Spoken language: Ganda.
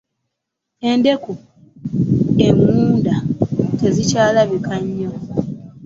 Endeku eŋŋunda tezikyalabika nnyo.